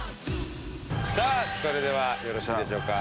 さあそれではよろしいでしょうか。